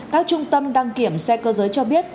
các trung tâm đăng kiểm xe cơ giới cho biết